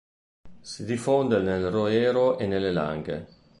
Si diffonde nel Roero e nelle Langhe.